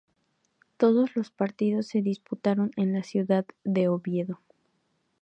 Todos los partidos se disputaron en la ciudad de Oviedo.